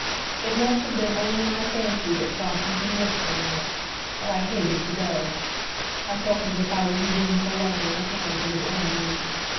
It must have been only my fancy that saw something wistful in it; but I hated to go. I felt as if I were leaving him alone in the hands of his enemies.